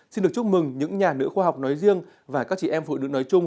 xin được chúc mừng những nhà nữ khoa học nói riêng và các chị em phụ nữ nói chung